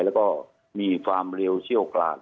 แล้วก็มีฟาร์มเรียวเชี่ยวกราศ